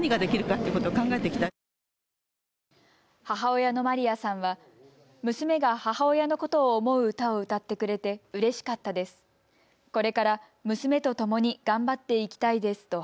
母親のマリヤさんは娘が母親のことを思う歌を歌ってくれて嬉しかったです。